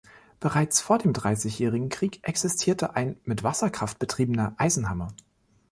Bereits vor dem Dreißigjährigen Krieg existierte ein mit Wasserkraft betriebener Eisenhammer.